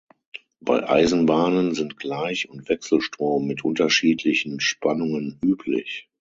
Bei Eisenbahnen sind Gleich- und Wechselstrom mit unterschiedlichen Spannungen üblich.